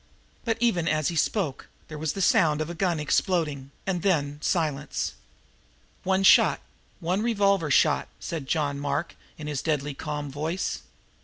But, even as he spoke, there was the sound of a gun exploding, and then a silence. "One shot one revolver shot," said John Mark in his deadly calm voice.